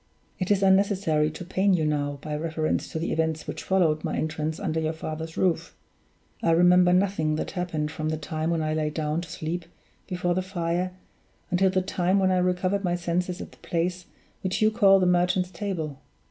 It is unnecessary to pain you now, by reference to the events which followed my entrance under your father's roof. I remember nothing that happened from the time when I lay down to sleep before the fire, until the time when I recovered my senses at the place which you call the Merchant's Table.